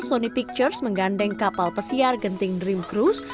sony pictures menggandeng kapal pesiar genting dream cruise